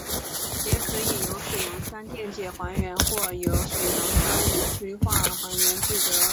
也可以由水杨酸电解还原或由水杨酰卤催化还原制得。